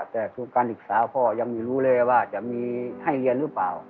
แต่คือการศึกษาพ่อยังไม่รู้เลยว่าจะมีให้เรียนหรือเปล่า